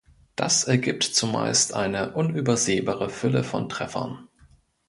Das ergibt zumeist eine unübersehbare Fülle von Treffern.